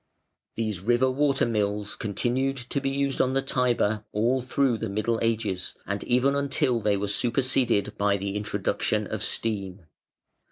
These river water mills continued to be used on the Tiber all through the Middle Ages, and even until they were superseded by the introduction of steam.